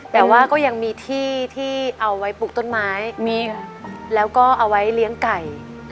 แต่ว่าก็ยังมีที่ที่เอาไว้ปลูกต้นไม้มีค่ะแล้วก็เอาไว้เลี้ยงไก่